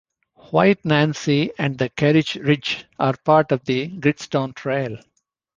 White Nancy and the Kerridge ridge are part of the Gritstone Trail.